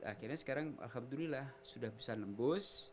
akhirnya sekarang alhamdulillah sudah bisa nembus